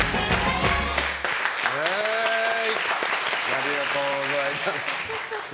ありがとうございます。